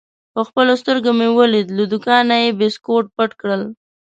په خپلو سترګو مې ولید: له دوکانه یې بیسکویټ پټ کړل.